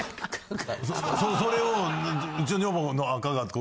それを。